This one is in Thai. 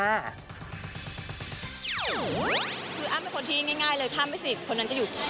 คืออ้ำเป็นคนที่ง่ายเลยถ้าไม่สนิทคนนั้นจะหยุด